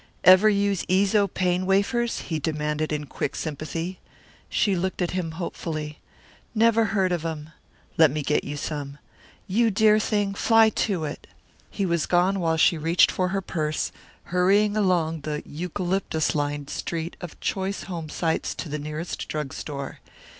"Ever use Eezo Pain Wafers?" he demanded in quick sympathy. She looked at him hopefully. "Never heard of 'em." "Let me get you some." "You dear thing, fly to it!" He was gone while she reached for her purse, hurrying along the eucalyptus lined street of choice home sites to the nearest drug store.